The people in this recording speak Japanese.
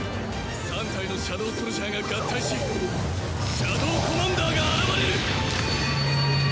３体のシャドウソルジャーが合体しシャドウコマンダーが現れる！